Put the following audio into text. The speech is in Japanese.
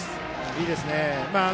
いいですね。